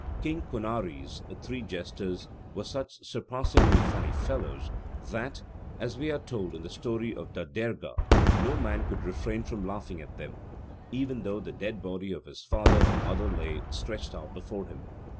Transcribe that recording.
King Conari's three jesters were such surpassingly funny fellows that, as we are told in the story of Da Derga, no man could refrain from laughing at them, even though the dead body of his father or mother lay stretched out before him.